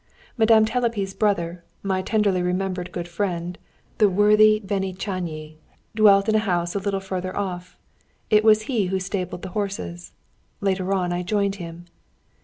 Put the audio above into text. Madame Telepi's brother, my tenderly remembered good friend, the worthy Béni Csányi, dwelt in a house a little farther off. It was he who stabled the horses. Later on I joined him.